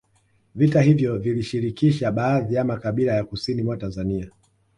Vita hivyo vilishirikisha baadhi ya makabila ya kusini mwa Tanzania